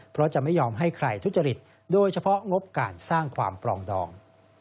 เพราะจะไม่ยอมให้ใครทุจริตโดยเฉพาะงบการสร้างความปลองดอง